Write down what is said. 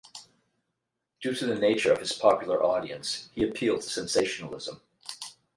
Due to the nature of his popular audience, he appealed to sensationalism.